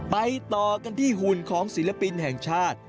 ไปต่อกันที่หุ่นของศิลปินแห่งชาติ